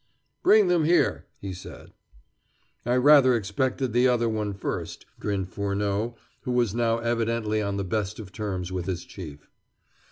"Bring them here," he said. "I rather expected the other one first," grinned Furneaux, who was now evidently on the best of terms with his Chief.